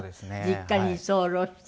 実家に居候して。